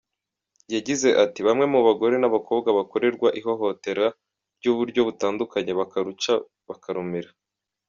Yagize ati,"Bamwe mu bagore n’abakobwa bakorerwa ihohotera ry’uburyo butandukanye bakaruca bakarumira.